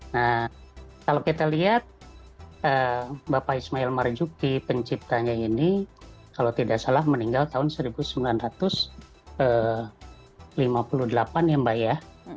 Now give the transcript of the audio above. nah kalau kita lihat bapak ismail marzuki penciptanya ini kalau tidak salah meninggal tahun seribu sembilan ratus lima puluh delapan ya mbak ya